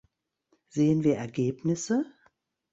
Sehen wir Ergebnisse?